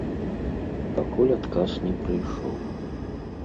Пакуль адказ не прыйшоў.